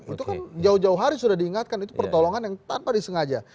itu kan jauh jauh hari sudah diingatkan itu pertolongan yang tanpa disengaja